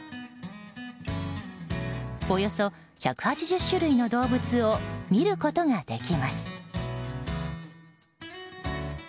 およそ１８０種類の動物を見ることができます。